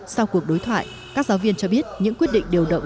sau cuộc đối thoại các giáo viên cho biết những quyết định điều động